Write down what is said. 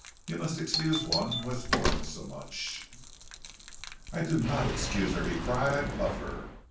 "You must excuse one who has borne so much." "I do not excuse her," he cried, "I love her."